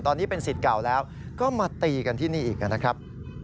ตอนนี้เป็นสิทธิ์เก่าแล้วก็มาตีกันที่นี่อีกนะครับ